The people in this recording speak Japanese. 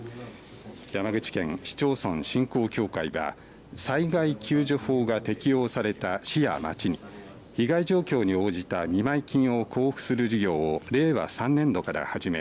山口県市町村振興協会は災害救助法が適用された市や町に被害状況に応じた見舞い金を交付する事業を令和３年度から始め